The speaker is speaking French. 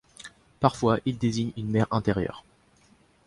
Parfois, il désigne une mer intérieure.